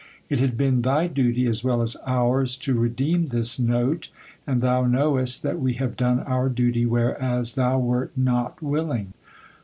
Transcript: It had been thy duty, as well as ours, to redeem this note, and thou knowest that we have done our duty whereas thou wert not willing.